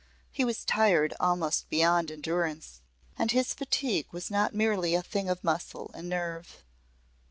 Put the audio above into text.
He was tired almost beyond endurance, and his fatigue was not merely a thing of muscle and nerve.